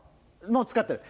もう使ってる。